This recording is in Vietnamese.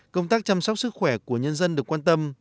công tác chăm sóc sức khỏe của nhân dân được quan tâm